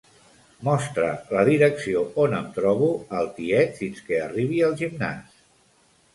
Mostra la direcció on em trobo al tiet fins que arribi al gimnàs.